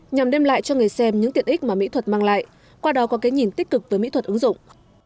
nhằm đem lại cho người xem những tiện ích mà mỹ thuật mang lại qua đó có cái nhìn tích cực với mỹ thuật ứng dụng